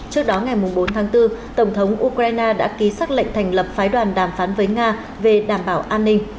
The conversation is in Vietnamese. trước đó ngày bốn tháng bốn tổng thống ukraine đã ký xác lệnh thành lập phái đoàn đàm phán với nga về đảm bảo an ninh